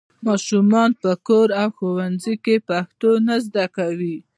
ماشومان په کور او ښوونځي کې پښتو نه زده کوي.